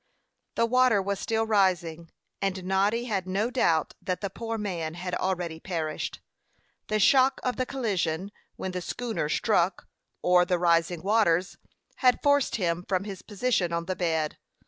The water was still rising, and Noddy had no doubt that the poor man had already perished. The shock of the collision when the schooner struck, or the rising waters, had forced him from his position on the bed.